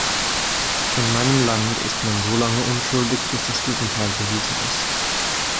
In meinem Land ist man solange unschuldig, bis das Gegenteil bewiesen ist.